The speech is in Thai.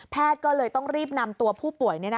ก็เลยต้องรีบนำตัวผู้ป่วย